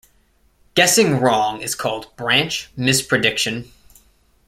Guessing wrong is called branch misprediction.